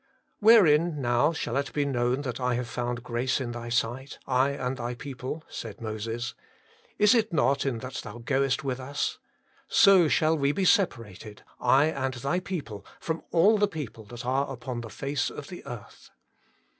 ' Wherein now shall it be known that 1 have found grace in Thy sight, I and Thy people ?' said Moses :' is it not in that Thou goest with us ? so shall we be separated, I and Thy people, from all the people that are upon the face of the earth.'